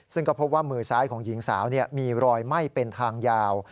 ซึ่งก็พบว่ามือซ้ายของหญิงสาวมีรอยไหม้เป็นทางยาว